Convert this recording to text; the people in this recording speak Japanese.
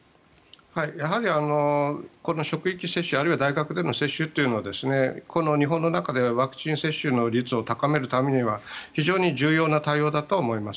やはり職域接種あるいは大学での接種というのはこの日本の中でワクチン接種の率を高めるためには非常に重要な対応だとは思います。